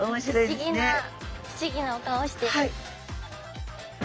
不思議な不思議なお顔してる。